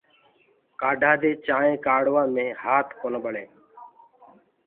ڪآڍآ دي چآنٚينٚ ڪآڙهوآ مي هآت ڪونآ ٻݪینٚ۔